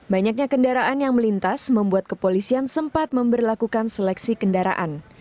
banyaknya kendaraan yang melintas membuat kepolisian sempat memperlakukan seleksi kendaraan